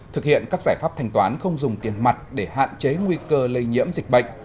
thực hiện các giải pháp thanh toán không dùng tiền mặt để hạn chế nguy cơ lây nhiễm dịch bệnh